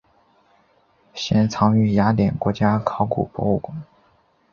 现藏于雅典国家考古博物馆。